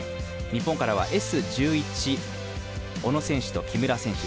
日本からは、Ｓ１１小野選手と木村選手